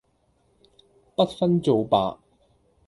不分皂白